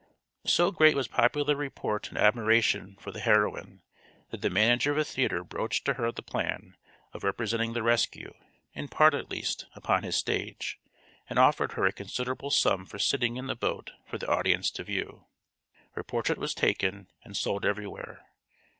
So great was popular report and admiration for the heroine that the manager of a theatre broached to her the plan of representing the rescue, in part at least, upon his stage, and offered her a considerable sum for sitting in the boat for the audience to view. Her portrait was taken and sold everywhere.